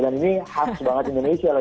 dan ini khas banget indonesia lah